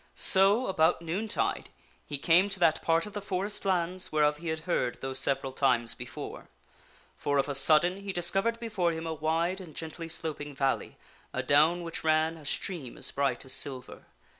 So, about noon tide, he came to that part of the forest lands whereof he had heard those several times before. For of a sudden, he discovered be fore him a wide and gently sloping valley, a down which ran Arthur a stream as bright as silver.